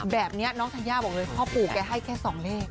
แบบนี้น้องธัญญาบอกเลยพ่อปู่แกให้แค่๒เลข